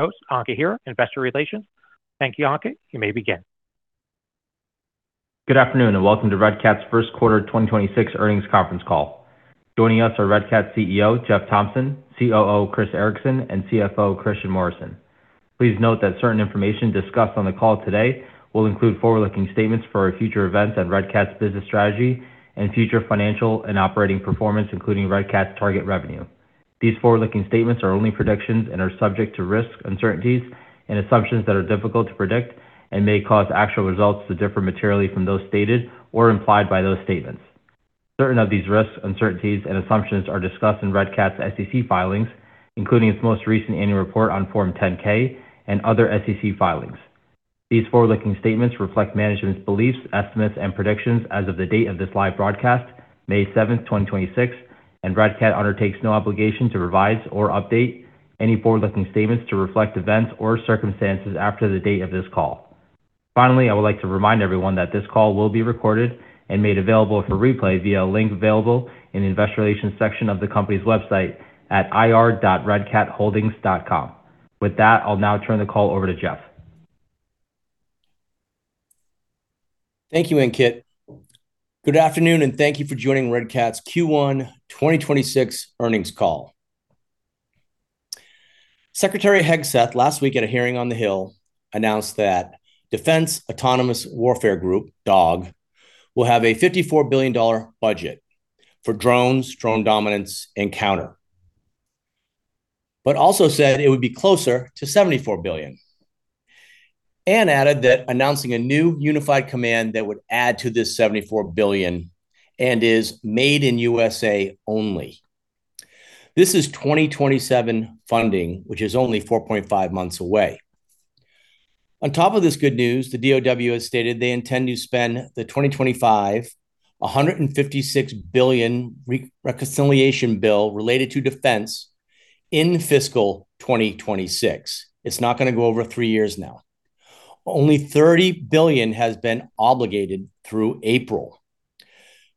Host Ankit here, Investor Relations. Thank you, Ankit. You may begin. Good afternoon, welcome to Red Cat's First Quarter 2026 Earnings Conference Call. Joining us are Red Cat's CEO, Jeffrey Thompson, COO Christian Ericson, and CFO Christian Morrison. Please note that certain information discussed on the call today will include forward-looking statements for our future events and Red Cat's business strategy and future financial and operating performance, including Red Cat's target revenue. These forward-looking statements are only predictions and are subject to risks, uncertainties and assumptions that are difficult to predict and may cause actual results to differ materially from those stated or implied by those statements. Certain of these risks, uncertainties, and assumptions are discussed in Red Cat's SEC filings, including its most recent annual report on Form 10-K and other SEC filings. These forward-looking statements reflect management's beliefs, estimates, and predictions as of the date of this live broadcast, May 7, 2026, and Red Cat undertakes no obligation to revise or update any forward-looking statements to reflect events or circumstances after the date of this call. Finally, I would like to remind everyone that this call will be recorded and made available for replay via a link available in the investor relations section of the company's website at ir.redcatholdings.com. With that, I'll now turn the call over to Jeff. Thank you, Ankit. Good afternoon, and thank you for joining Red Cat's Q1 2026 earnings call. Secretary Hegseth last week at a hearing on the Hill announced that Defense Autonomous Warfare Group, DAWG, will have a $54 billion budget for drones, Drone Dominance, and counter, but also said it would be closer to $74 billion, and added that announcing a new unified command that would add to this $74 billion and is made in U.S.A. only. This is 2027 funding, which is only 4.5 months away. On top of this good news, the DOD has stated they intend to spend the 2025, a $156 billion reconciliation bill related to defense in fiscal 2026. It's not gonna go over three years now. Only $30 billion has been obligated through April.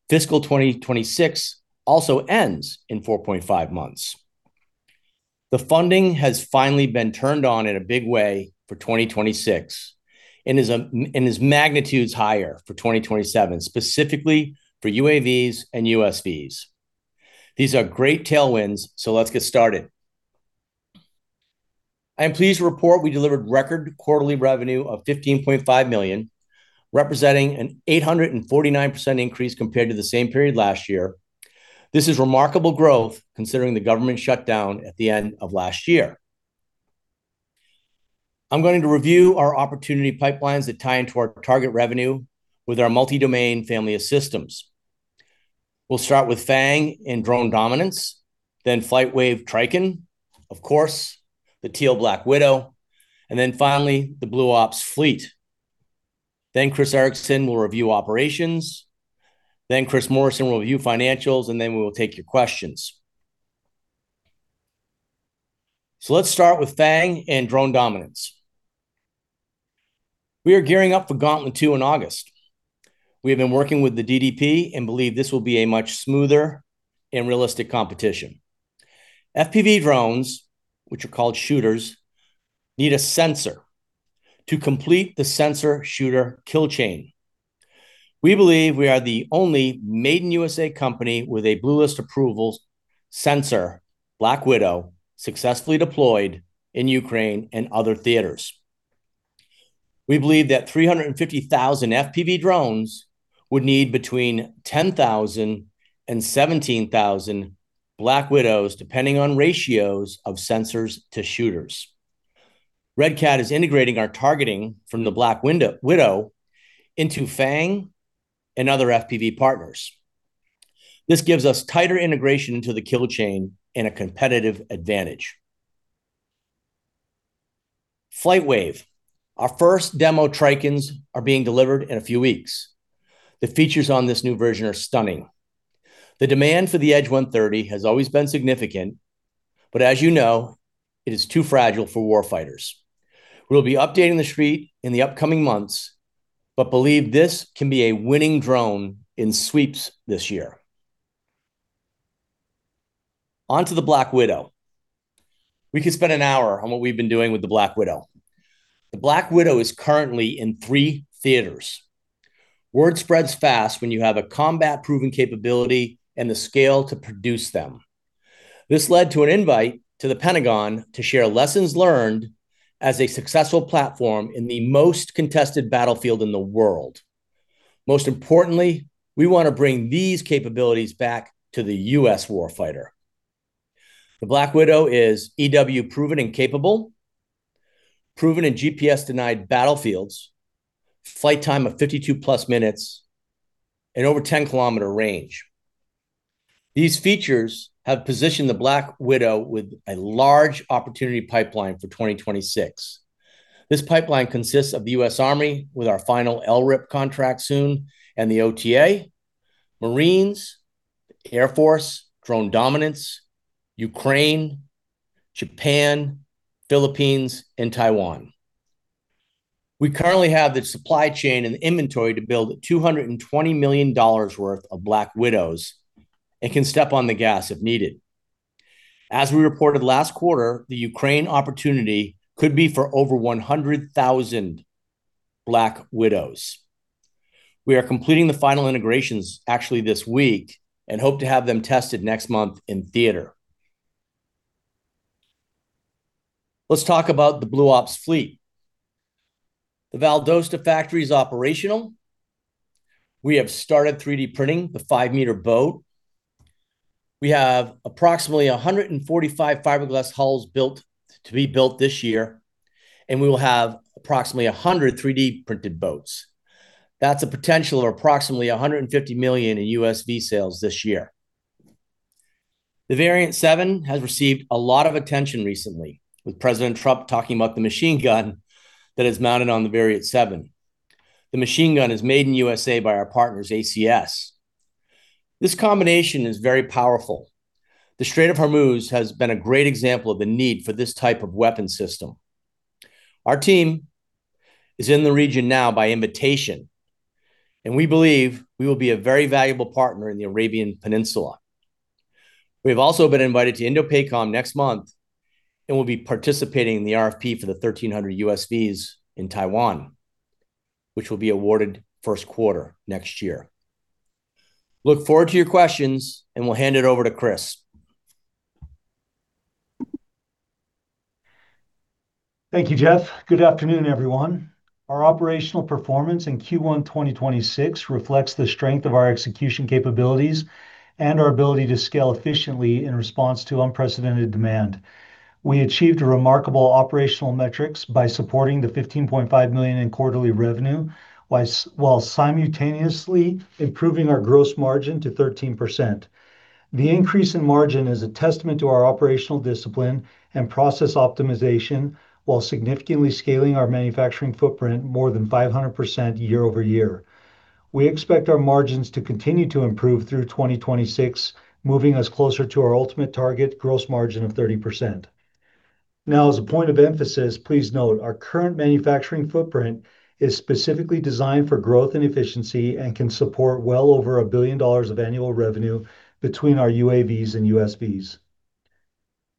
Fiscal 2026 also ends in 4.5 months. The funding has finally been turned on in a big way for 2026 and is magnitudes higher for 2027, specifically for UAVs and USVs. These are great tailwinds. Let's get started. I am pleased to report we delivered record quarterly revenue of $15.5 million, representing an 849% increase compared to the same period last year. This is remarkable growth considering the government shutdown at the end of last year. I'm going to review our opportunity pipelines that tie into our target revenue with our multi-domain family of systems. We'll start with FANG and Drone Dominance, then FlightWave/TRICHON, of course, the Teal Black Widow, and then finally the Blue Ops Fleet. Christian Ericson will review operations, Christian Morrison will review financials, and then we will take your questions. Let's start with FANG and Drone Dominance. We are gearing up for Gauntlet II in August. We have been working with the DDP. We believe this will be a much smoother and realistic competition. FPV drones, which are called shooters, need a sensor to complete the sensor-shooter kill chain. We believe we are the only Made in U.S.A. company with a Blue List approvals sensor, Black Widow, successfully deployed in Ukraine and other theaters. We believe that 350,000 FPV drones would need between 10,000 and 17,000 Black Widows, depending on ratios of sensors to shooters. Red Cat is integrating our targeting from the Black Widow into FANG and other FPV partners. This gives us tighter integration into the kill chain and a competitive advantage. FlightWave. Our first demo TRICHONs are being delivered in a few weeks. The features on this new version are stunning. The demand for the Edge 130 has always been significant, as you know, it is too fragile for war fighters. We'll be updating the Street in the upcoming months, believe this can be a winning drone in sweeps this year. Onto the Black Widow. We could spend an hour on what we've been doing with the Black Widow. The Black Widow is currently in three theaters. Word spreads fast when you have a combat-proven capability and the scale to produce them. This led to an invite to the Pentagon to share lessons learned as a successful platform in the most contested battlefield in the world. Most importantly, we wanna bring these capabilities back to the U.S. war fighter. The Black Widow is EW proven and capable, proven in GPS-denied battlefields, flight time of 52+ minutes, and over 10-km range. These features have positioned the Black Widow with a large opportunity pipeline for 2026. This pipeline consists of the U.S. Army with our final LRIP contract soon and the OTA, Marines, Air Force, Drone Dominance, Ukraine, Japan, Philippines, and Taiwan. We currently have the supply chain and the inventory to build $220 million worth of Black Widows, and can step on the gas if needed. As we reported last quarter, the Ukraine opportunity could be for over 100,000 Black Widows. We are completing the final integrations actually this week, and hope to have them tested next month in theater. Let's talk about the Blue Ops Fleet. The Valdosta factory is operational. We have started 3D printing the 5-m boat. We have approximately 145 fiberglass hulls built, to be built this year, and we will have approximately 100 3D printed boats. That's a potential of approximately $150 million in USV sales this year. The Variant 7 has received a lot of attention recently, with President Trump talking about the machine gun that is mounted on the Variant 7. The machine gun is made in U.S. by our partners ACS. This combination is very powerful. The Strait of Hormuz has been a great example of the need for this type of weapon system. Our team is in the region now by invitation, and we believe we will be a very valuable partner in the Arabian Peninsula. We've also been invited to INDOPACOM next month, and we'll be participating in the RFP for the 1,300 USVs in Taiwan, which will be awarded first quarter next year. Look forward to your questions, and we'll hand it over to Chris. Thank you, Jeff. Good afternoon, everyone. Our operational performance in Q1 2026 reflects the strength of our execution capabilities and our ability to scale efficiently in response to unprecedented demand. We achieved remarkable operational metrics by supporting the $15.5 million in quarterly revenue, while simultaneously improving our gross margin to 13%. The increase in margin is a testament to our operational discipline and process optimization while significantly scaling our manufacturing footprint more than 500% year-over-year. We expect our margins to continue to improve through 2026, moving us closer to our ultimate target gross margin of 30%. As a point of emphasis, please note our current manufacturing footprint is specifically designed for growth and efficiency and can support well over $1 billion of annual revenue between our UAVs and USVs.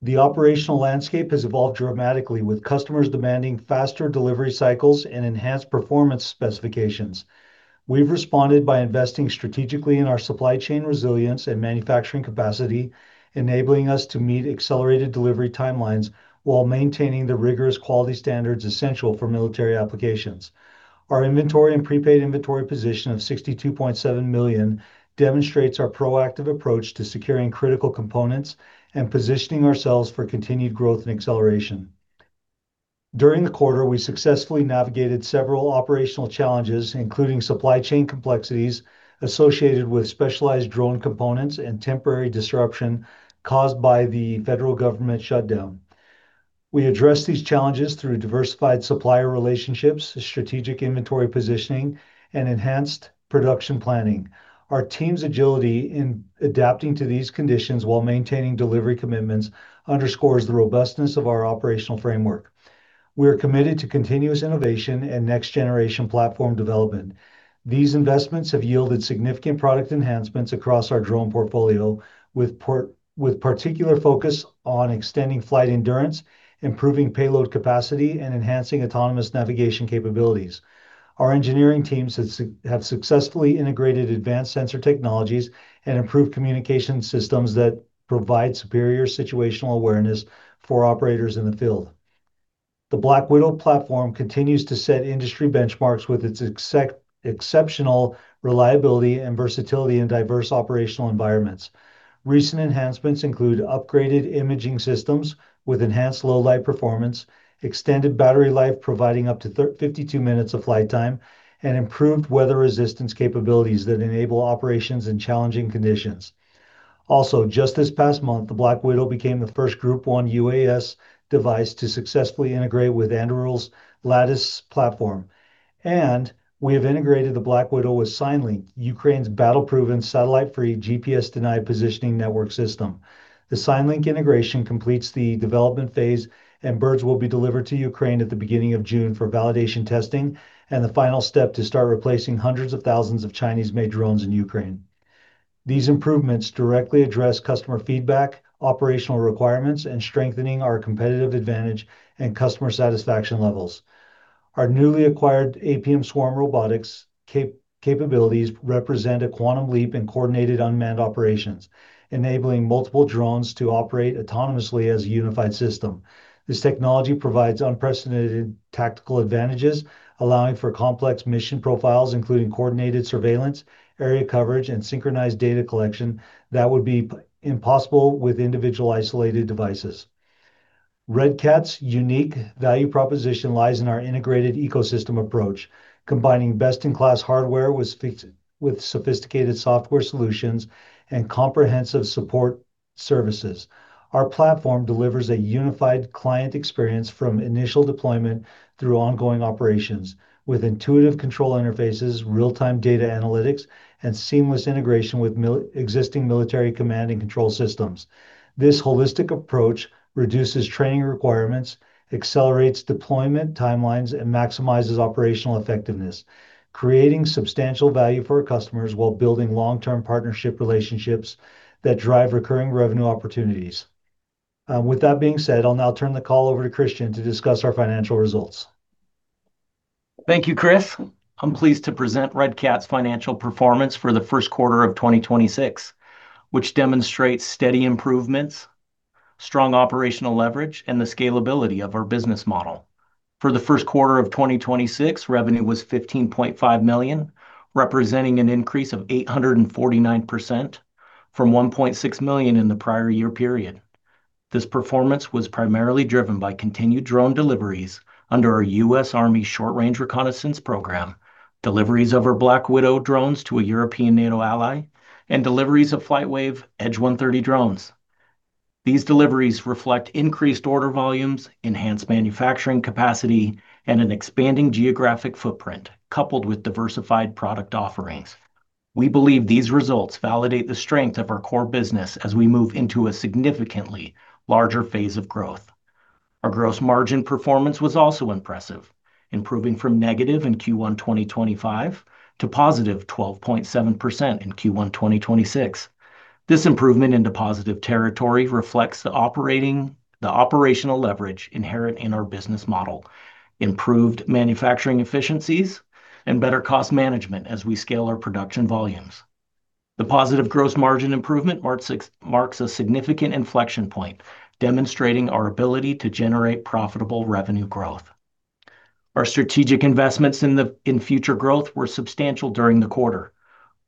The operational landscape has evolved dramatically with customers demanding faster delivery cycles and enhanced performance specifications. We've responded by investing strategically in our supply chain resilience and manufacturing capacity, enabling us to meet accelerated delivery timelines while maintaining the rigorous quality standards essential for military applications. Our inventory and prepaid inventory position of $62.7 million demonstrates our proactive approach to securing critical components and positioning ourselves for continued growth and acceleration. During the quarter, we successfully navigated several operational challenges, including supply chain complexities associated with specialized drone components and temporary disruption caused by the federal government shutdown. We addressed these challenges through diversified supplier relationships, strategic inventory positioning, and enhanced production planning. Our team's agility in adapting to these conditions while maintaining delivery commitments underscores the robustness of our operational framework. We are committed to continuous innovation and next-generation platform development. These investments have yielded significant product enhancements across our drone portfolio with particular focus on extending flight endurance, improving payload capacity, and enhancing autonomous navigation capabilities. Our engineering teams have successfully integrated advanced sensor technologies and improved communication systems that provide superior situational awareness for operators in the field. The Black Widow platform continues to set industry benchmarks with its exceptional reliability and versatility in diverse operational environments. Recent enhancements include upgraded imaging systems with enhanced low light performance, extended battery life providing up to 52 minutes of flight time, and improved weather resistance capabilities that enable operations in challenging conditions. Also, just this past month, the Black Widow became the first Group 1 UAS device to successfully integrate with Anduril's Lattice platform. We have integrated the Black Widow with SignLink, Ukraine's battle-proven satellite-free GPS denied positioning network system. The SignLink integration completes the development phase, and birds will be delivered to Ukraine at the beginning of June for validation testing and the final step to start replacing hundreds of thousands of Chinese-made drones in Ukraine. These improvements directly address customer feedback, operational requirements, and strengthening our competitive advantage and customer satisfaction levels. Our newly acquired Apium Swarm Robotics capabilities represent a quantum leap in coordinated unmanned operations, enabling multiple drones to operate autonomously as a unified system. This technology provides unprecedented tactical advantages, allowing for complex mission profiles, including coordinated surveillance, area coverage, and synchronized data collection that would be impossible with individual isolated devices. Red Cat's unique value proposition lies in our integrated ecosystem approach, combining best-in-class hardware with sophisticated software solutions and comprehensive support services. Our platform delivers a unified client experience from initial deployment through ongoing operations with intuitive control interfaces, real-time data analytics, and seamless integration with existing military command and control systems. This holistic approach reduces training requirements, accelerates deployment timelines, and maximizes operational effectiveness, creating substantial value for our customers while building long-term partnership relationships that drive recurring revenue opportunities. With that being said, I'll now turn the call over to Christian to discuss our financial results. Thank you, Chris. I'm pleased to present Red Cat's financial performance for the first quarter of 2026, which demonstrates steady improvements, strong operational leverage, and the scalability of our business model. For the first quarter of 2026, revenue was $15.5 million, representing an increase of 849% from $1.6 million in the prior year period. This performance was primarily driven by continued drone deliveries under our U.S. Army Short-Range Reconnaissance program, deliveries of our Black Widow drones to a European NATO ally, and deliveries of FlightWave Edge 130 drones. These deliveries reflect increased order volumes, enhanced manufacturing capacity, and an expanding geographic footprint, coupled with diversified product offerings. We believe these results validate the strength of our core business as we move into a significantly larger phase of growth. Our gross margin performance was also impressive, improving from negative in Q1 2025 to positive 12.7% in Q1 2026. This improvement into positive territory reflects the operational leverage inherent in our business model, improved manufacturing efficiencies, and better cost management as we scale our production volumes. The positive gross margin improvement marks a significant inflection point, demonstrating our ability to generate profitable revenue growth. Our strategic investments in future growth were substantial during the quarter.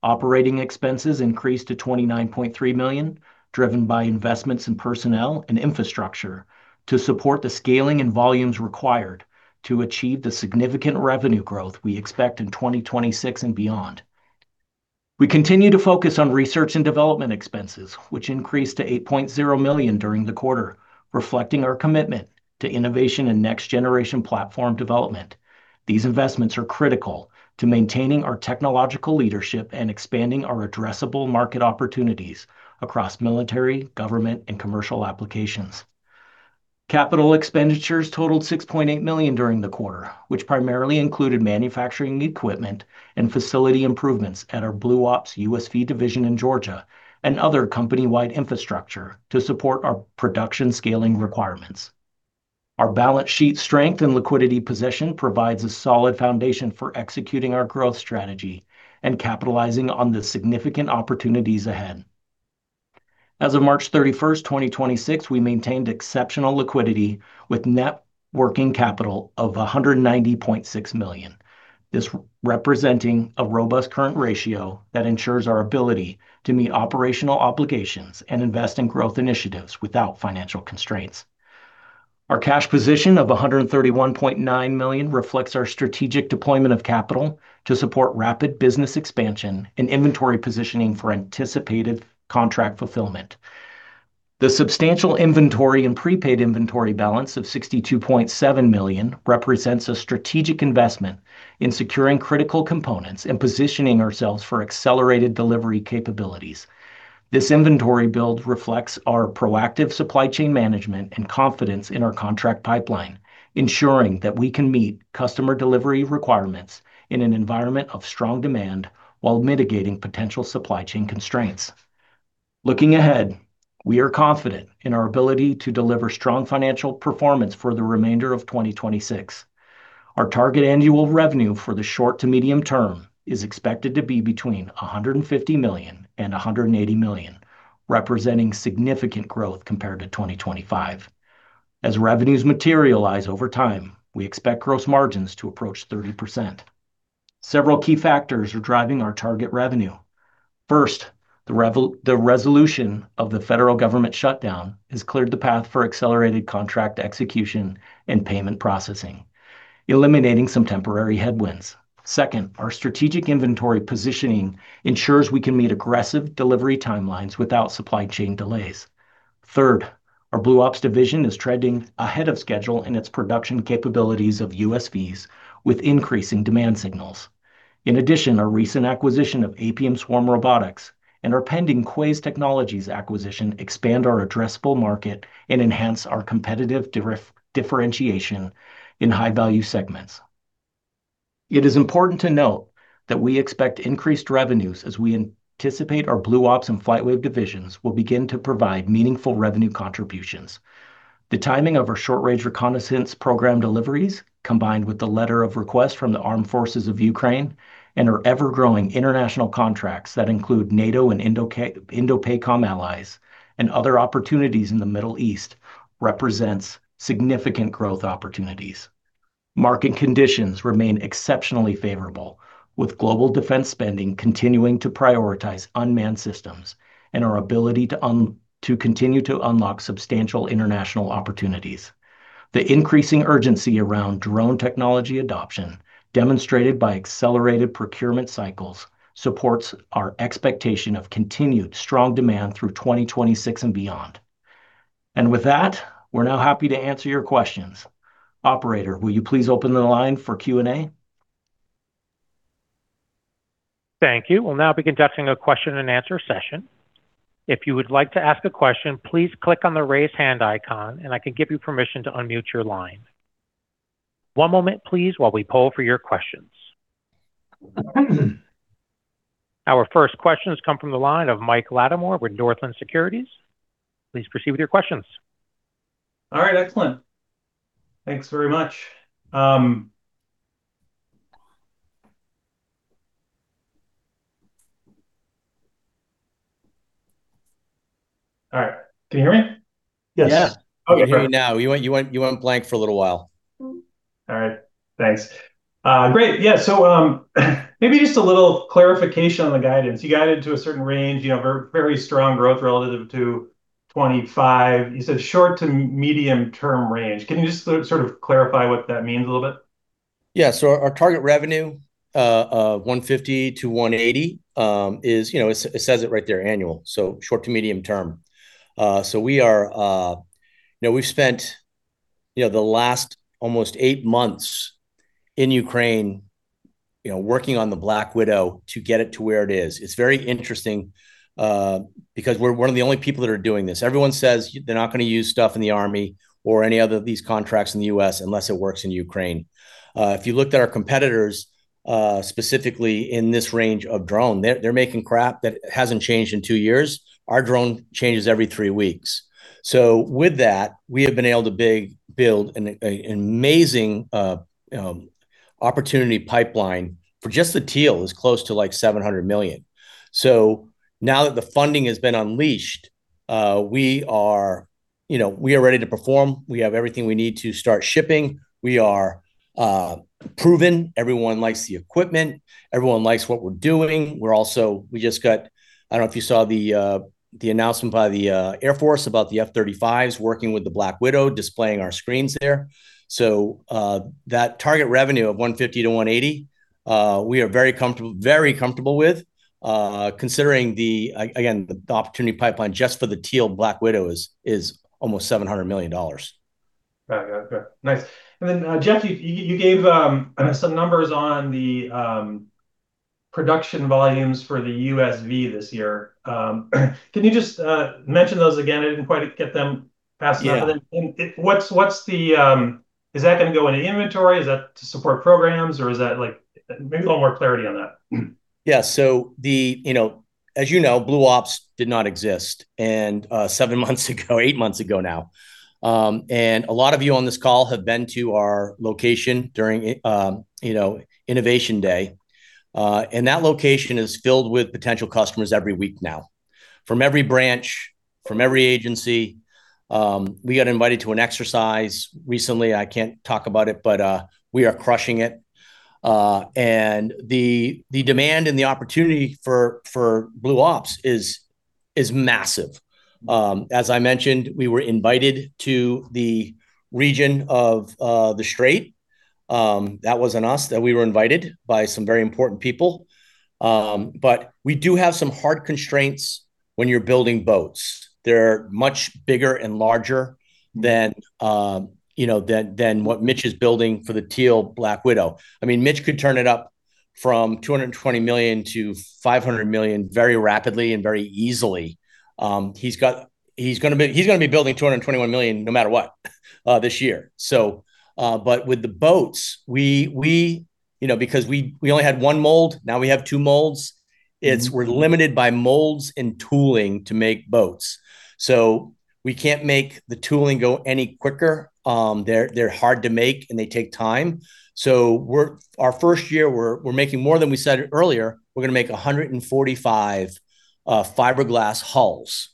Operating expenses increased to $29.3 million, driven by investments in personnel and infrastructure to support the scaling and volumes required to achieve the significant revenue growth we expect in 2026 and beyond. We continue to focus on research and development expenses, which increased to $8.0 million during the quarter, reflecting our commitment to innovation and next-generation platform development. These investments are critical to maintaining our technological leadership and expanding our addressable market opportunities across military, government, and commercial applications. Capital expenditures totaled $6.8 million during the quarter, which primarily included manufacturing equipment and facility improvements at our Blue Ops USV division in Georgia and other company-wide infrastructure to support our production scaling requirements. Our balance sheet strength and liquidity position provides a solid foundation for executing our growth strategy and capitalizing on the significant opportunities ahead. As of March 31, 2026, we maintained exceptional liquidity with net working capital of $190.6 million, this representing a robust current ratio that ensures our ability to meet operational obligations and invest in growth initiatives without financial constraints. Our cash position of $131.9 million reflects our strategic deployment of capital to support rapid business expansion and inventory positioning for anticipated contract fulfillment. The substantial inventory and prepaid inventory balance of $62.7 million represents a strategic investment in securing critical components and positioning ourselves for accelerated delivery capabilities. This inventory build reflects our proactive supply chain management and confidence in our contract pipeline, ensuring that we can meet customer delivery requirements in an environment of strong demand while mitigating potential supply chain constraints. Looking ahead, we are confident in our ability to deliver strong financial performance for the remainder of 2026. Our target annual revenue for the short to medium term is expected to be between $150 million and $180 million, representing significant growth compared to 2025. As revenues materialize over time, we expect gross margins to approach 30%. Several key factors are driving our target revenue. First, the resolution of the Federal Government Shutdown has cleared the path for accelerated contract execution and payment processing, eliminating some temporary headwinds. Second, our strategic inventory positioning ensures we can meet aggressive delivery timelines without supply chain delays. Third, our Blue Ops division is trending ahead of schedule in its production capabilities of USVs with increasing demand signals. Our recent acquisition of Apium Swarm Robotics and our pending Quais Technologies acquisition expand our addressable market and enhance our competitive differentiation in high-value segments. It is important to note that we expect increased revenues as we anticipate our Blue Ops and FlightWave divisions will begin to provide meaningful revenue contributions. The timing of our Short-Range Reconnaissance program deliveries, combined with the letter of request from the Armed Forces of Ukraine and our ever-growing international contracts that include NATO and INDOPACOM allies and other opportunities in the Middle East represents significant growth opportunities. Market conditions remain exceptionally favorable with global defense spending continuing to prioritize unmanned systems and our ability to continue to unlock substantial international opportunities. The increasing urgency around drone technology adoption demonstrated by accelerated procurement cycles supports our expectation of continued strong demand through 2026 and beyond. With that, we're now happy to answer your questions. Operator, will you please open the line for Q&A? Thank you. We'll now be conducting a question-and-answer session. If you would like to ask a question, please click on the Raise Hand icon, and I can give you permission to unmute your line. One moment please while we poll for your questions. Our first questions come from the line of Mike Latimore with Northland Securities. Please proceed with your questions. All right. Excellent. Thanks very much. All right. Can you hear me? Yes. Yeah. Okay, perfect. We can hear you now. You went blank for a little while. All right. Thanks. Great. Yeah, maybe just a little clarification on the guidance. You guided to a certain range, you know, very strong growth relative to 2025. You said short to medium-term range. Can you just sort of clarify what that means a little bit? Yeah. Our target revenue of $150-$180 is, you know, it says it right there, annual, short to medium term. We are. You know, we've spent, you know, the last almost eight months in Ukraine, you know, working on the Black Widow to get it to where it is. It's very interesting because we're one of the only people that are doing this. Everyone says they're not gonna use stuff in the Army or any other of these contracts in the U.S. unless it works in Ukraine. If you looked at our competitors, specifically in this range of drone, they're making crap that hasn't changed in two years. Our drone changes every three weeks. With that, we have been able to build an amazing opportunity pipeline for just the Teal is close to, like, $700 million. Now that the funding has been unleashed, we are, you know, we are ready to perform. We have everything we need to start shipping. We are proven. Everyone likes the equipment. Everyone likes what we're doing. We just got I don't know if you saw the announcement by the Air Force about the F-35s working with the Black Widow, displaying our screens there. That target revenue of $150 million-$180 million, we are very comfortable with, considering again, the opportunity pipeline just for the Teal Black Widow is almost $700 million. Got it. Okay. Nice. Then, Jeff, you gave some numbers on the production volumes for the USV this year. Can you just mention those again? I didn't quite get them passed down. Yeah. Is that gonna go into inventory? Is that to support programs, or is that like maybe a little more clarity on that? As you know, Blue Ops did not exist and, seven months ago, eight months ago now. A lot of you on this call have been to our location during, you know, Innovation Day. That location is filled with potential customers every week now, from every branch, from every agency. We got invited to an exercise recently, I can't talk about it, we are crushing it. The demand and the opportunity for Blue Ops is massive. As I mentioned, we were invited to the region of the Strait. That wasn't us. That we were invited by some very important people. We do have some hard constraints when you're building boats. They're much bigger and larger than, you know, what Mitch is building for the Teal Black Widow. I mean, Mitch could turn it up from $220 million to $500 million very rapidly and very easily. He's gonna be building $221 million no matter what this year. With the boats, we, you know, because we only had one mold, now we have two molds. We're limited by molds and tooling to make boats. We can't make the tooling go any quicker. They're hard to make, and they take time. Our first year, we're making more than we said earlier. We're gonna make 145 fiberglass hulls.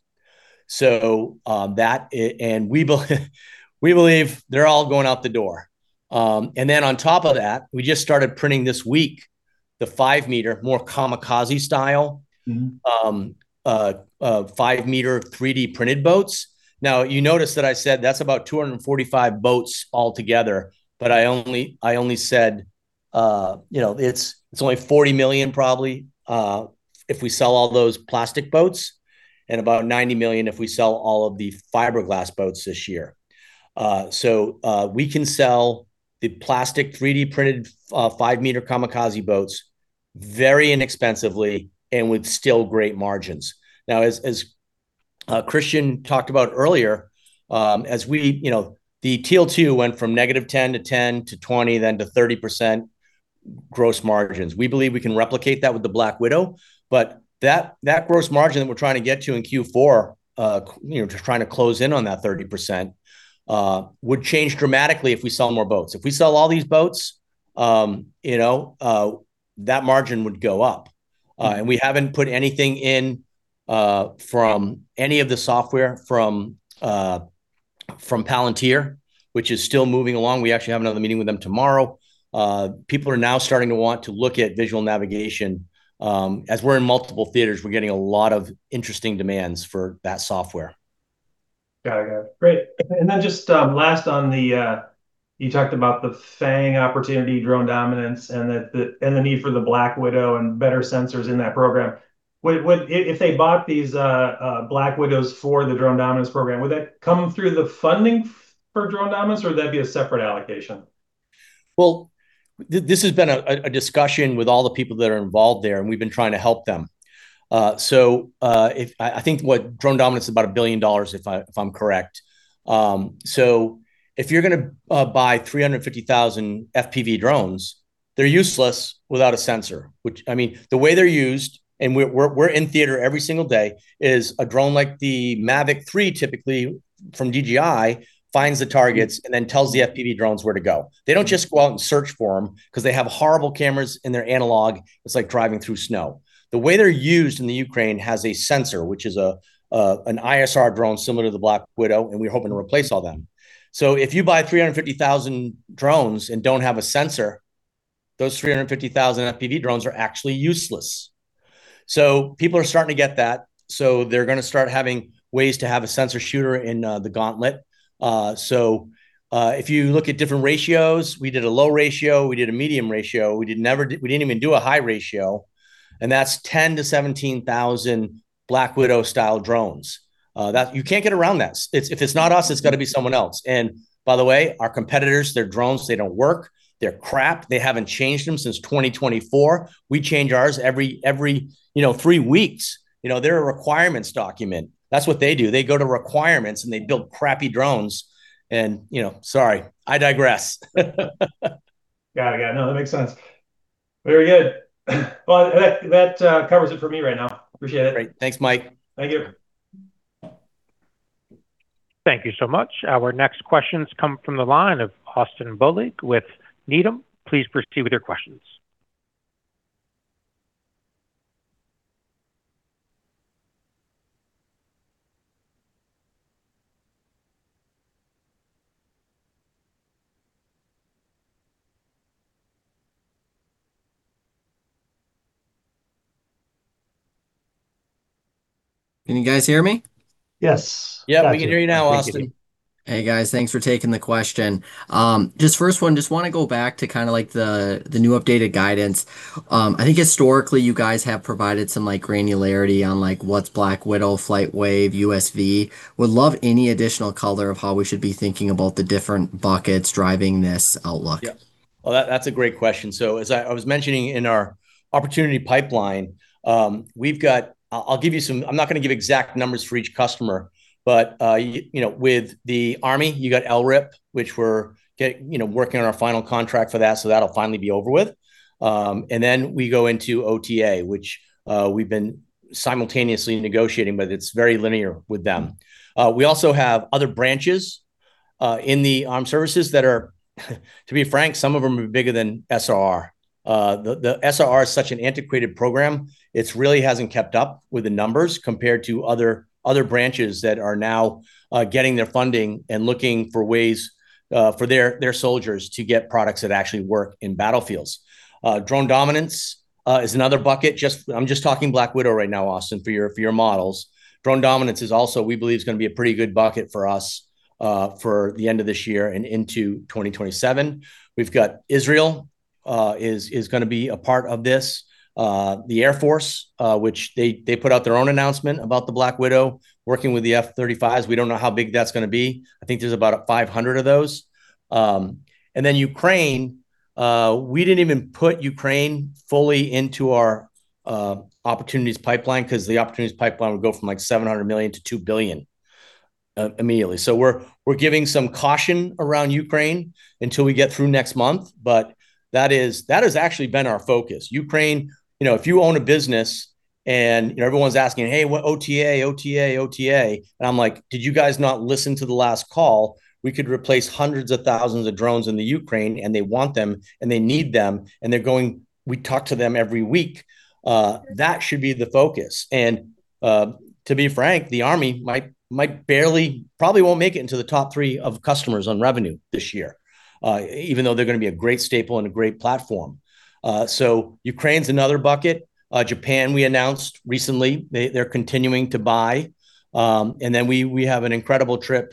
We believe they're all going out the door. On top of that, we just started printing this week the 5-m, more kamikaze style. 5-m 3D-printed boats. You notice that I said that's about 245 boats altogether. I only said, it's only $40 million probably, if we sell all those plastic boats, and about $90 million if we sell all of the fiberglass boats this year. We can sell the plastic 3D-printed 5-m kamikaze boats very inexpensively and with still great margins. As Christian talked about earlier, the Teal 2 went from -10% to 10% to 20%, then to 30% gross margins. We believe we can replicate that with the Black Widow. That gross margin that we're trying to get to in Q4, you know, just trying to close in on that 30%, would change dramatically if we sell more boats. If we sell all these boats, you know, that margin would go up. And we haven't put anything in from any of the software from Palantir, which is still moving along. We actually have another meeting with them tomorrow. People are now starting to want to look at visual navigation. As we're in multiple theaters, we're getting a lot of interesting demands for that software. Got it. Great. Then just, last on the, you talked about the FANG opportunity, Drone Dominance, and the need for the Black Widow and better sensors in that program. If they bought these Black Widows for the Drone Dominance Program, would that come through the funding for Drone Dominance, or would that be a separate allocation? This has been a discussion with all the people that are involved there, and we've been trying to help them. I think what Drone Dominance is about $1 billion if I'm correct. If you're gonna buy 350,000 FPV drones, they're useless without a sensor, which, I mean, the way they're used, and we're in theater every single day, is a drone like the Mavic 3 typically from DJI finds the targets and then tells the FPV drones where to go. They don't just go out and search for them, 'cause they have horrible cameras and they're analog. It's like driving through snow. The way they're used in Ukraine has a sensor, which is an ISR drone similar to the Black Widow, and we're hoping to replace all of them. If you buy 350,000 drones and don't have a sensor, those 350,000 FPV drones are actually useless. People are starting to get that, so they're gonna start having ways to have a sensor shooter in the Gauntlet. If you look at different ratios, we did a low ratio, we did a medium ratio. We didn't even do a high ratio, and that's 10 to 17,000 Black Widow style drones. That You can't get around that. It's, if it's not us, it's gotta be someone else. By the way, our competitors, their drones, they don't work. They're crap. They haven't changed them since 2024. We change ours every, you know, three weeks. You know, they're a requirements document. That's what they do. They go to requirements and they build crappy drones and, you know Sorry, I digress. Got it, got it. No, that makes sense. Very good. Well, that covers it for me right now. Appreciate it. Great. Thanks Mike. Thank you. Thank you so much. Our next questions come from the line of Austin Bohlig with Needham. Please proceed with your questions. Can you guys hear me? Yes. Yeah, we can hear you now, Austin. Hey guys, thanks for taking the question. First one, I want to go back to the new updated guidance. I think historically you guys have provided some granularity on what's Black Widow, FlightWave, USV. Would love any additional color of how we should be thinking about the different buckets driving this outlook. Yeah. Well, that's a great question. As I was mentioning in our opportunity pipeline, I'm not gonna give exact numbers for each customer, but, you know, with the Army, you got LRIP, which working on our final contract for that, so that'll finally be over with. Then we go into OTA, which we've been simultaneously negotiating, but it's very linear with them. We also have other branches in the armed services that are, to be frank, some of them are bigger than SRR. The SRR is such an antiquated program, it really hasn't kept up with the numbers compared to other branches that are now getting their funding and looking for ways for their soldiers to get products that actually work in battlefields. Drone Dominance is another bucket. Just, I'm just talking Black Widow right now, Austin, for your, for your models. Drone Dominance is also, we believe, is gonna be a pretty good bucket for us for the end of this year and into 2027. We've got Israel is gonna be a part of this. The Air Force, which they put out their own announcement about the Black Widow working with the F-35s. We don't know how big that's gonna be. I think there's about 500 of those. Ukraine, we didn't even put Ukraine fully into our opportunities pipeline 'cause the opportunities pipeline would go from, like, $700 million to $2 billion immediately. We're giving some caution around Ukraine until we get through next month. That has actually been our focus. Ukraine You know, if you own a business and, you know, everyone's asking, "Hey, what OTA, OTA?" I'm like, "Did you guys not listen to the last call?" We could replace hundreds of thousands of drones in the Ukraine, and they want them and they need them, we talk to them every week. That should be the focus. To be frank, the Army might barely, probably won't make it into the top three of customers on revenue this year, even though they're gonna be a great staple and a great platform. Ukraine's another bucket. Japan, we announced recently, they're continuing to buy. Then we have an incredible trip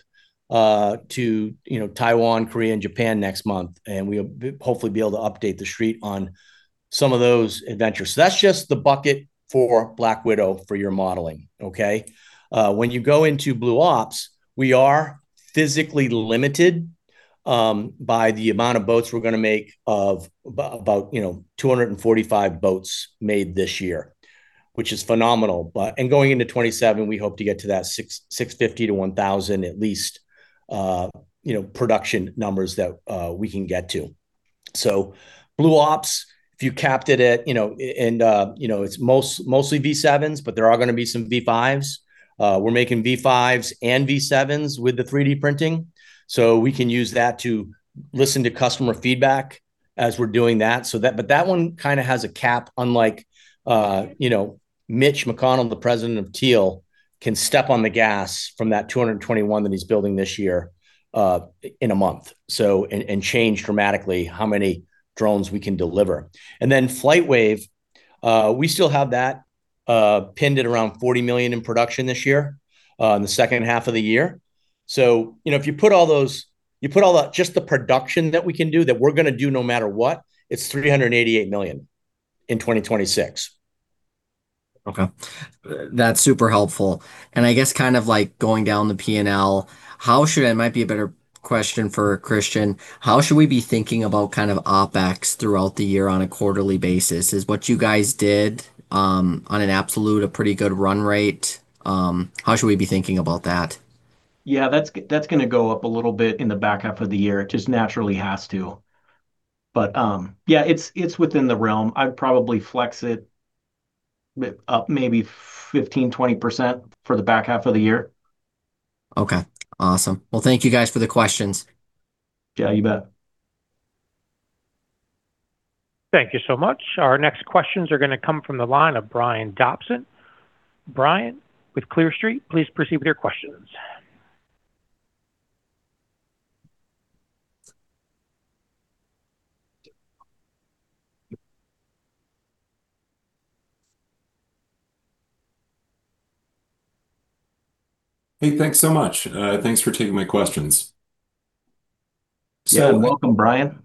to, you know, Taiwan, Korea, and Japan next month, and we'll hopefully be able to update the street on some of those adventures. That's just the bucket for Black Widow for your modeling, okay? When you go into Blue Ops, we are physically limited by the amount of boats we're gonna make of about, you know, 245 boats made this year, which is phenomenal. Going into 2027, we hope to get to that 650 to 1,000 at least, you know, production numbers that we can get to. BlueOps, if you capped it at, you know, it's mostly V7s, but there are going to be some V5s. We're making V5s and V7s with the 3D printing, so we can use that to listen to customer feedback as we're doing that. That one kind of has a cap, unlike, you know, Mitch McDonald, the President of Teal, can step on the gas from that 221 that he's building this year, in a month, so, and change dramatically how many drones we can deliver. FlightWave, we still have that pinned at around $40 million in production this year, in the second half of the year. You know, if you put all that, just the production that we can do, that we're gonna do no matter what, it's $388 million in 2026. Okay. That's super helpful. I guess kind of like going down the P&L, it might be a better question for Christian. How should we be thinking about kind of OpEx throughout the year on a quarterly basis? Is what you guys did on an absolute a pretty good run rate? How should we be thinking about that? Yeah, that's gonna go up a little bit in the back half of the year. It just naturally has to. Yeah, it's within the realm. I'd probably flex it up maybe 15%-20% for the back half of the year. Okay, awesome. Well, thank you guys for the questions. Yeah, you bet. Thank you so much. Our next questions are going to come from the line of Brian Dobson. Brian with Clear Street, please proceed with your questions. Hey, thanks so much. Thanks for taking my questions. Yeah, welcome Brian.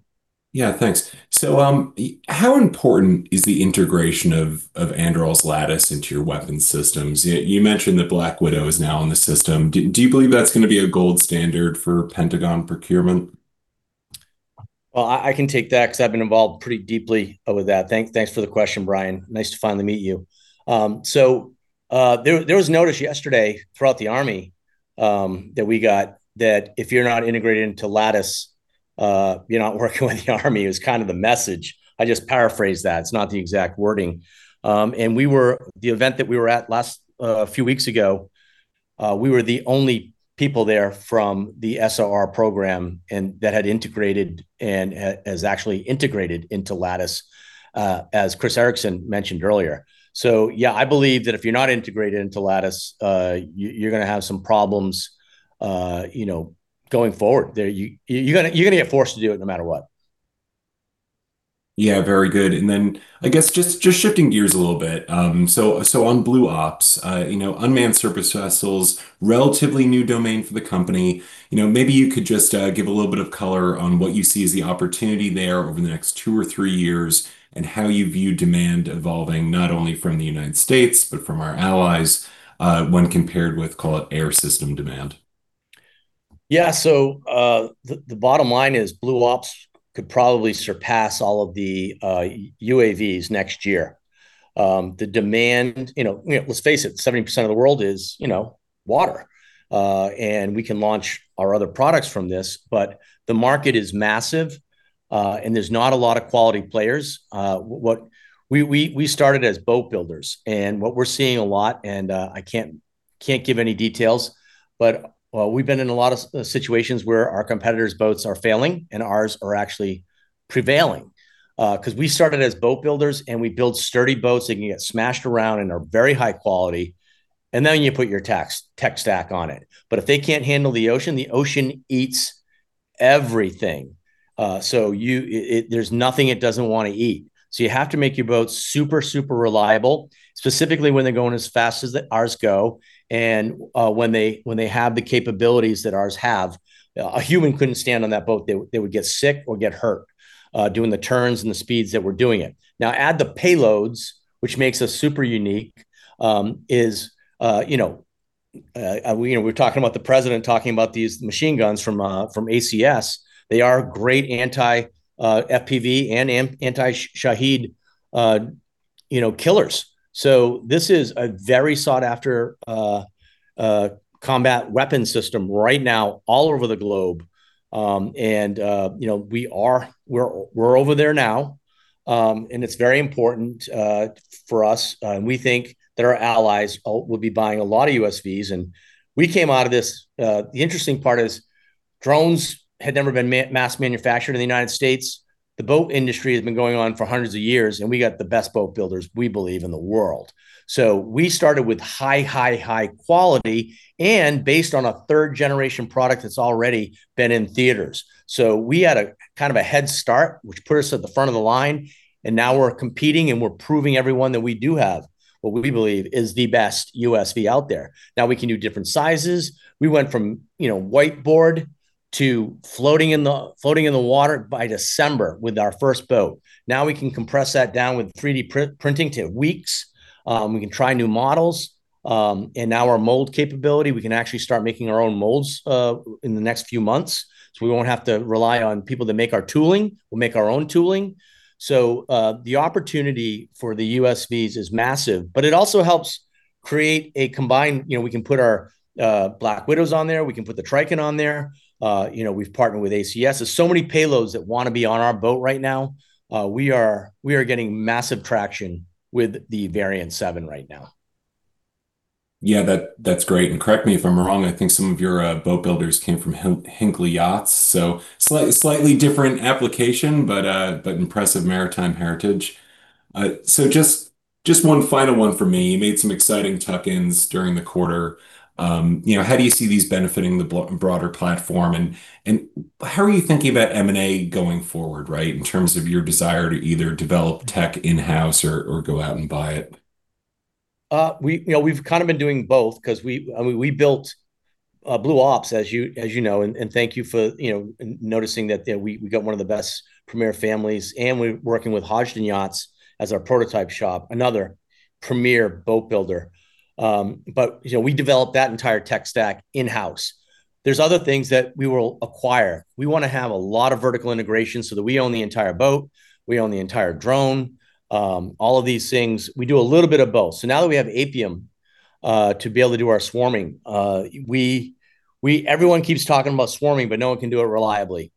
Yeah, thanks. How important is the integration of Anduril's Lattice into your weapons systems? You mentioned that Black Widow is now in the system. Do you believe that's gonna be a gold standard for Pentagon procurement? Well, I can take that because I've been involved pretty deeply with that. Thanks for the question, Brian. Nice to finally meet you. There was notice yesterday throughout the Army that we got that if you're not integrated into Lattice, you're not working with the Army is kind of the message. I just paraphrased that. It's not the exact wording. The event that we were at last a few weeks ago, we were the only people there from the SRR program and that had integrated and has actually integrated into Lattice, as Chris Ericson mentioned earlier. Yeah, I believe that if you're not integrated into Lattice, you're gonna have some problems, you know, going forward. You're gonna, you're gonna get forced to do it no matter what. Yeah, very good. I guess just shifting gears a little bit, on Blue Ops, you know, unmanned surface vessels, relatively new domain for the company, you know, maybe you could just give a little bit of color on what you see as the opportunity there over the next two or three years and how you view demand evolving, not only from the United States, but from our allies, when compared with, call it Air System demand. Yeah. The bottom line is Blue Ops could probably surpass all of the UAVs next year. The demand, you know, let's face it, 70% of the world is, you know, water. We can launch our other products from this, but the market is massive, there's not a lot of quality players. We started as boat builders, and what we're seeing a lot, I can't give any details, but we've been in a lot of situations where our competitors' boats are failing and ours are actually prevailing. 'Cause we started as boat builders and we build sturdy boats that can get smashed around and are very high quality, and then you put your tech stack on it. If they can't handle the ocean, the ocean eats everything. There's nothing it doesn't wanna eat. You have to make your boats super reliable, specifically when they're going as fast as ours go and when they have the capabilities that ours have. A human couldn't stand on that boat. They would get sick or get hurt doing the turns and the speeds that we're doing it. Now, add the payloads, which makes us super unique, you know, we're talking about the president talking about these machine guns from ACS. They are great anti-FPV and anti-Shahed killers. This is a very sought after combat weapon system right now all over the globe. We're over there now. It's very important for us. We think that our allies will be buying a lot of USVs. We came out of this. The interesting part is drones had never been mass manufactured in the United States. The boat industry has been going on for hundreds of years. We got the best boat builders, we believe, in the world. We started with high quality and based on a third generation product that's already been in theaters. We had a, kind of a head start, which put us at the front of the line. We're competing and we're proving everyone that we do have what we believe is the best USV out there. We can do different sizes. We went from, you know, whiteboard to floating in the water by December with our first boat. We can compress that down with 3-D printing to weeks. We can try new models. Now our mold capability, we can actually start making our own molds in the next few months. We won't have to rely on people to make our tooling. We'll make our own tooling. The opportunity for the USVs is massive, but it also helps create a combined, you know, we can put our Black Widows on there. We can put the TRICHON on there. You know, we've partnered with ACS. There's so many payloads that wanna be on our boat right now. We are getting massive traction with the Variant 7 right now. Yeah, that's great. Correct me if I'm wrong, I think some of your boat builders came from Hinckley Yachts. Slightly different application, but impressive maritime heritage. Just one final one for me. You made some exciting tuck-ins during the quarter. You know, how do you see these benefiting the broader platform? How are you thinking about M&A going forward, right? In terms of your desire to either develop tech in-house or go out and buy it? We, you know, we've kinda been doing both, 'cause we, I mean, we built Blue Ops, as you know. Thank you for, you know, noticing that, yeah, we got one of the best premier families. We're working with Hodgdon Yachts as our prototype shop, another premier boat builder. You know, we developed that entire tech stack in-house. There's other things that we will acquire. We wanna have a lot of vertical integration so that we own the entire boat, we own the entire drone, all of these things. We do a little bit of both. Now that we have Apium to be able to do our swarming, we everyone keeps talking about swarming, but no one can do it reliably.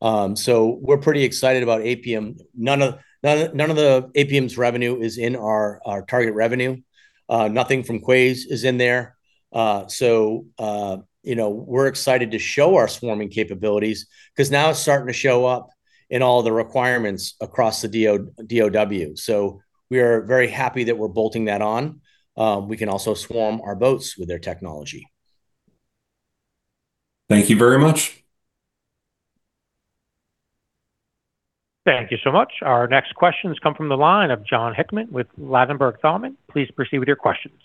We're pretty excited about Apium. None of the Apium's revenue is in our target revenue. Nothing from Quais is in there. You know, we're excited to show our swarming capabilities, 'cause now it's starting to show up in all the requirements across the DOD. We are very happy that we're bolting that on. We can also swarm our boats with their technology. Thank you very much. Thank you so much. Our next questions come from the line of Jon Hickman with Ladenburg Thalmann. Please proceed with your questions.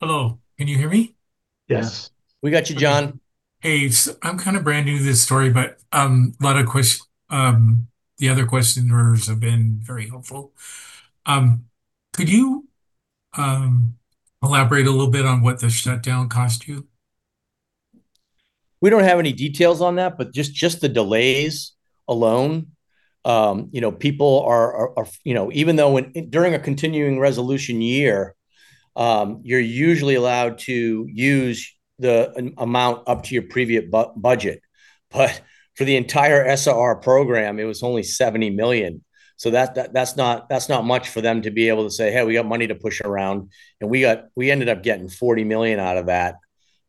Hello. Can you hear me? Yes. Yeah. We got you, Jon. Hey, I'm kinda brand new to this story, but the other questioners have been very helpful. Could you elaborate a little bit on what the shutdown cost you? We don't have any details on that. Just the delays alone, you know, people are, you know, even though when during a continuing resolution year, you're usually allowed to use the amount up to your previous budget. For the entire SR program, it was only $70 million, that's not much for them to be able to say, "Hey, we got money to push around." We ended up getting $40 million out of that,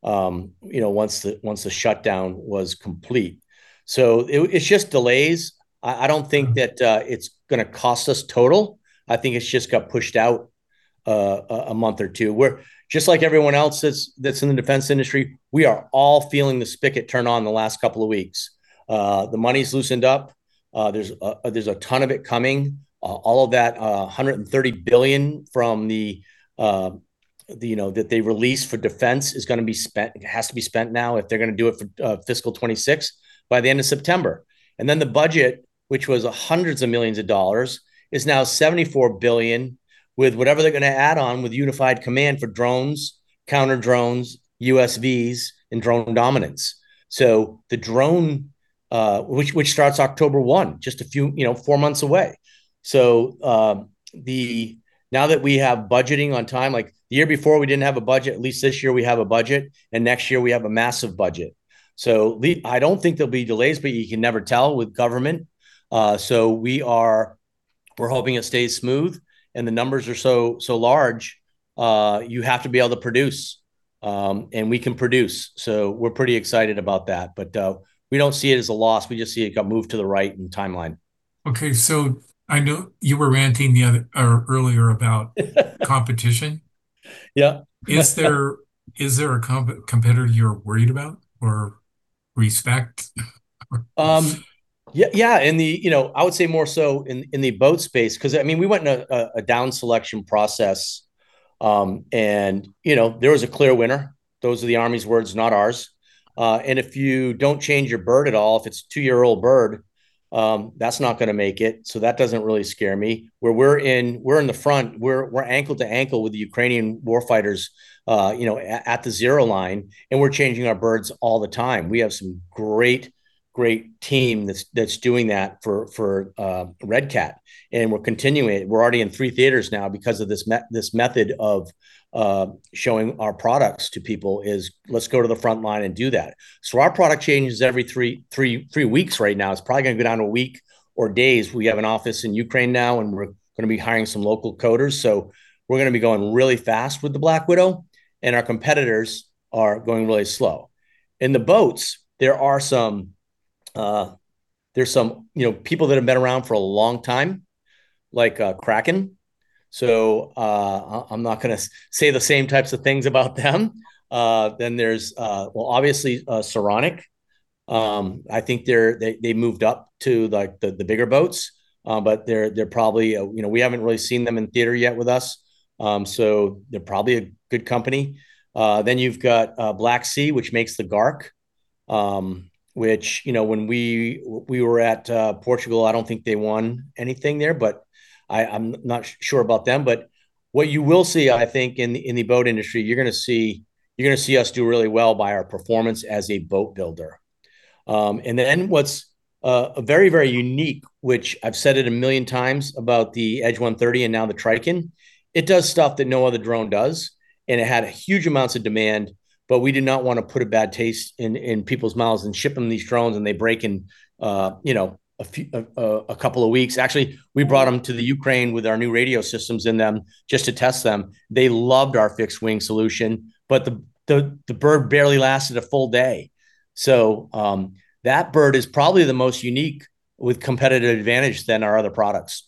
you know, once the shutdown was complete. It's just delays. I don't think that it's gonna cost us total. I think it's just got pushed out a month or two. We're, just like everyone else that's in the defense industry, we are all feeling the spigot turn on the last couple of weeks. The money's loosened up. There's a ton of it coming. All of that, $130 billion from the, you know, that they released for defense is gonna be spent, it has to be spent now if they're gonna do it for FY 2026, by the end of September. The budget, which was hundreds of millions of dollars, is now $74 billion with whatever they're gonna add on with unified command for drones, counter-drones, USVs, and Drone Dominance. The drone, which starts October 1, just a few, you know, four months away. Now that we have budgeting on time, like the year before we didn't have a budget. At least this year we have a budget, and next year we have a massive budget. I don't think there'll be delays, but you can never tell with government. We're hoping it stays smooth. The numbers are so large, you have to be able to produce. We can produce, so we're pretty excited about that. We don't see it as a loss, we just see it got moved to the right in the timeline. Okay. I know you were ranting earlier about competition. Yeah. Is there a competitor you're worried about or respect? Yeah, yeah. In the, you know, I would say more so in the boat space. I mean, we went in a down selection process. You know, there was a clear winner. Those are the Army's words, not ours. If you don't change your bird at all, if it's a two-year-old bird, that's not gonna make it, so that doesn't really scare me. We're in the front. We're ankle to ankle with the Ukrainian war fighters, you know, at the zero line, and we're changing our birds all the time. We have some great team that's doing that for Red Cat. We're continuing. We're already in three theaters now because of this method of showing our products to people, let's go to the front line and do that. Our product changes every three weeks right now. It's probably going to go down to week or days. We have an office in Ukraine now, and we're going to be hiring some local coders, so we're going to be going really fast with the Black Widow, and our competitors are going really slow. In the boats, there are some, you know, people that have been around for a long time, like Kraken. I'm not going to say the same types of things about them. There's, well, obviously, Saronic. I think they're moved up to, like, the bigger boats. They're probably, you know, we haven't really seen them in theater yet with us. They're probably a good company. You've got BlackSea, which makes the GARC. Which, you know, when we were at Portugal, I don't think they won anything there, but I'm not sure about them. What you will see, I think, in the boat industry, you're gonna see us do really well by our performance as a boat builder. What's very, very unique, which I've said it one million times about the Edge 130 and now the TRICHON, it does stuff that no other drone does, and it had huge amounts of demand, but we did not want to put a bad taste in people's mouths and ship them these drones and they break in, you know, a couple of weeks. Actually, we brought them to the Ukraine with our new radio systems in them just to test them. They loved our fixed wing solution, but the bird barely lasted a full day. That bird is probably the most unique with competitive advantage than our other products.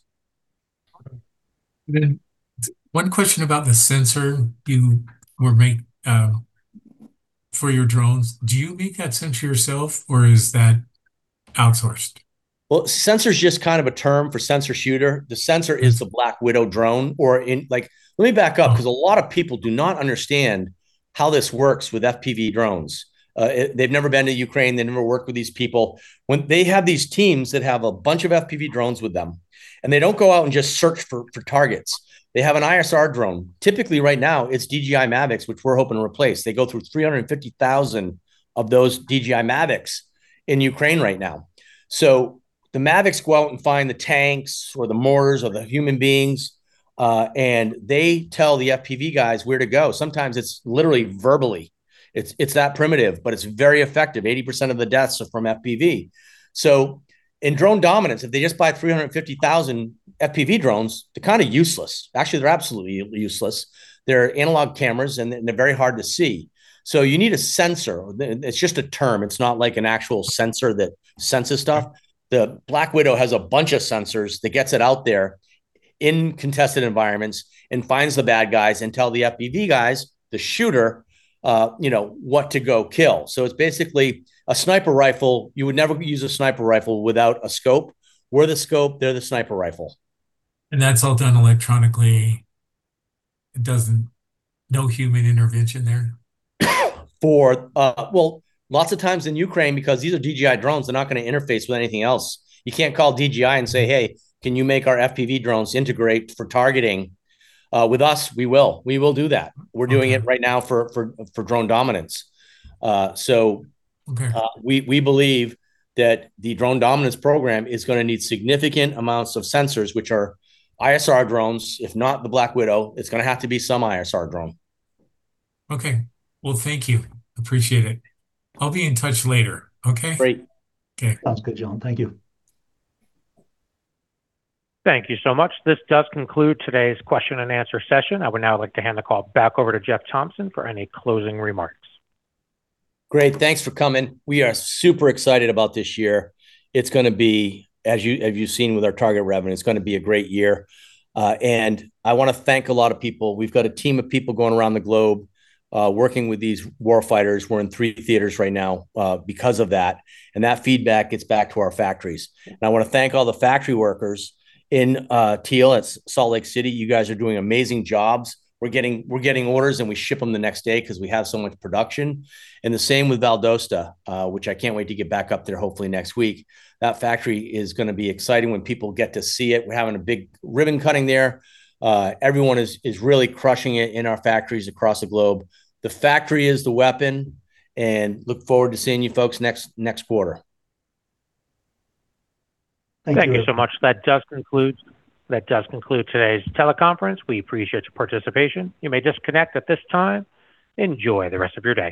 One question about the sensor you were make, for your drones. Do you make that sensor yourself or is that outsourced? Well, sensor's just kind of a term for sensor shooter. The sensor is the Black Widow drone. Like, let me back up, because a lot of people do not understand how this works with FPV drones. They've never been to Ukraine, they've never worked with these people. When they have these teams that have a bunch of FPV drones with them, and they don't go out and just search for targets. They have an ISR drone. Typically right now it's DJI Mavics, which we're hoping to replace. They go through 350,000 of those DJI Mavics in Ukraine right now. The Mavics go out and find the tanks or the mortars or the human beings, and they tell the FPV guys where to go. Sometimes it's literally verbally. It's that primitive, but it's very effective. 80% of the deaths are from FPV. In Drone Dominance, if they just buy 350,000 FPV drones, they're kind of useless. Actually, they're absolutely useless. They're analog cameras and they're very hard to see. You need a sensor. It's just a term, it's not like an actual sensor that senses stuff. The Black Widow has a bunch of sensors that gets it out there in contested environments and finds the bad guys and tell the FPV guys, the shooter, you know, what to go kill. It's basically a sniper rifle. You would never use a sniper rifle without a scope. We're the scope, they're the sniper rifle. That's all done electronically? No human intervention there? Well, lots of times in Ukraine, because these are DJI drones, they're not gonna interface with anything else. You can't call DJI and say, "Hey, can you make our FPV drones integrate for targeting with us?" We will. We will do that. We're doing it right now for Drone Dominance. Okay We believe that the Drone Dominance Program is gonna need significant amounts of sensors, which are ISR drones. If not the Black Widow, it's gonna have to be some ISR drone. Okay. Well, thank you. Appreciate it. I'll be in touch later, okay? Great. Okay. Sounds good, Jon. Thank you. Thank you so much. This does conclude today's question and answer session. I would now like to hand the call back over to Jeff Thompson for any closing remarks. Great. Thanks for coming. We are super excited about this year. It's gonna be, as you've seen with our target revenue, it's gonna be a great year. I wanna thank a lot of people. We've got a team of people going around the globe, working with these war fighters. We're in three theaters right now, because of that, That feedback gets back to our factories. I wanna thank all the factory workers in Teal at Salt Lake City. You guys are doing amazing jobs. We're getting orders, We ship them the next day 'cause we have so much production. The same with Valdosta, which I can't wait to get back up there hopefully next week. That factory is gonna be exciting when people get to see it. We're having a big ribbon cutting there. Everyone is really crushing it in our factories across the globe. The factory is the weapon, and look forward to seeing you folks next quarter. Thank you. Thank you so much. That does conclude today's teleconference. We appreciate your participation. You may disconnect at this time. Enjoy the rest of your day.